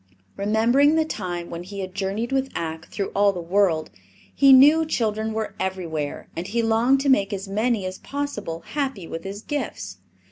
Remembering the time when he had journeyed with Ak through all the world, he knew children were everywhere, and he longed to make as many as possible happy with his gifts.